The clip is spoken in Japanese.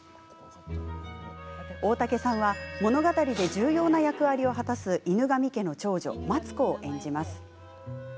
大竹さんは物語で重要な役割を果たす犬神家の長女、松子を演じます。